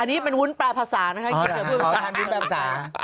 อันนี้มันหุ้นปราภาษานะคะ